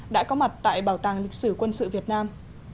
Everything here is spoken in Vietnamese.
đã có mặt tại bảo tàng lịch sử quân sự việt nam